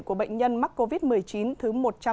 của bệnh nhân mắc covid một mươi chín thứ một trăm tám mươi ba